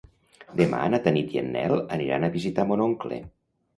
Demà na Tanit i en Nel aniran a visitar mon oncle.